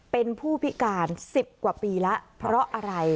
เป็นผู้พิการ๑๐กว่าปีแล้วเพราะอะไร